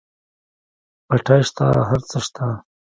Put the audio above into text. پټی شته هر څه شته.